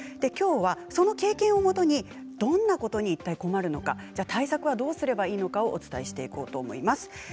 きょうはその経験をもとにどんなことにいったい困るのか対策はどうすればいいのかをお伝えしていこうと思います。